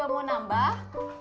bapak juga mau nambah